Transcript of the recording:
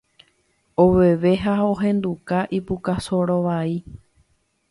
oveve ha ohenduka ipuka soro vai